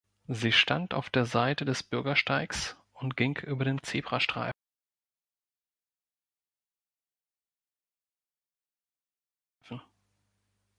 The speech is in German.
Sie stand auf der Seite des Bürgersteigs und ging über den Zebrastreifen